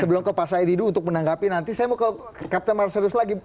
sebelum ke pak said hidu untuk menanggapi nanti saya mau ke kapten marselius lagi